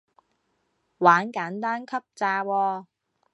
玩簡單級咋喎